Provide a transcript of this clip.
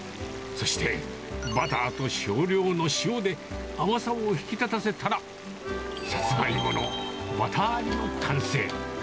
そして、バターと少量の塩で、甘さを引き立たせたら、サツマイモのバター煮の完成。